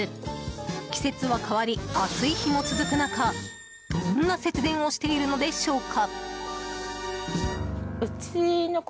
季節は変わり、暑い日も続く中どんな節電をしているのでしょうか。